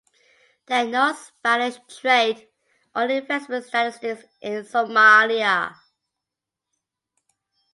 There are no Spanish trade or investment statistics in Somalia.